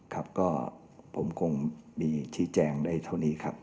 ครับก็ผมคงมีชี้แจงได้เท่านี้ครับ